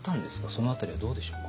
その辺りはどうでしょうか。